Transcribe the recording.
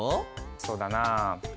そうだな。